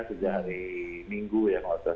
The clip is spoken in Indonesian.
sejak hari minggu ya motor